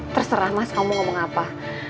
terserah mas kamu ngomong apa